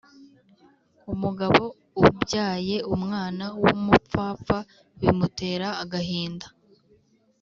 Umugabo ubyaye umwana w’umupfapfa bimutera agahinda